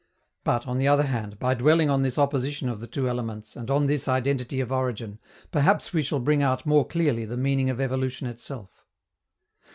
But, on the other hand, by dwelling on this opposition of the two elements and on this identity of origin, perhaps we shall bring out more clearly the meaning of evolution itself.